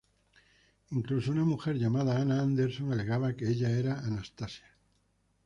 Incluso una mujer llamada Anna Anderson alegaba que ella era Anastasia.